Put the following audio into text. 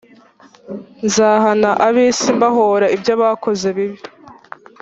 Nzahana ab isi mbahora ibyo bakoze bibi